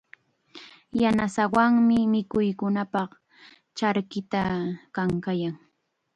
Yanasaawanmi mikuyaanapaq charkita kankayaa.